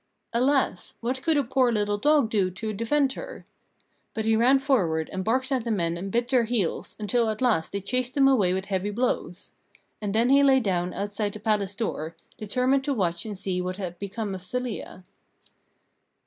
Alas! what could a poor little dog do to defend her? But he ran forward and barked at the men and bit their heels, until at last they chased him away with heavy blows. And then he lay down outside the palace door, determined to watch and see what had become of Zelia.